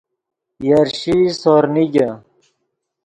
یرشیئی سور نیگے